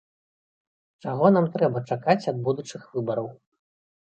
Чаго нам трэба чакаць ад будучых выбараў?